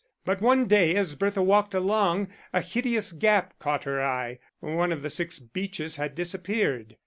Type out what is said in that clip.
But one day as Bertha walked along, a hideous gap caught her eye one of the six beeches had disappeared.